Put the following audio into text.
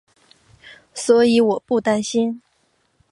所以我不担心